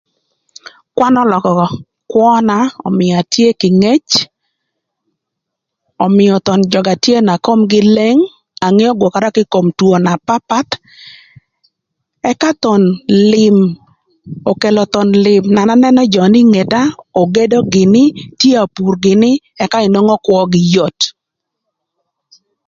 Kwan ölökö kwöna ömïa atye kï ngec, ömïö thon jöga tye na komgï leng, angeo gwökara kï kom two na papath, ëka thon lïm okelo thon lïm na an anënö jö nï ngeta, ogedo gïnï, tye apur gïnï, ëka inwongo kwögï yot.